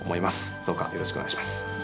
どうかよろしくお願いします。